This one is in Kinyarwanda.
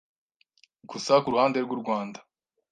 Gusa ku ruhande rw’u Rwanda,